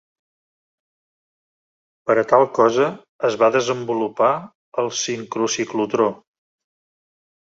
Per a tal cosa es va desenvolupar el sincrociclotró.